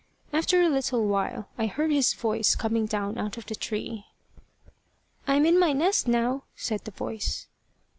After a little while, I heard his voice coming down out of the tree. "I am in my nest now," said the voice.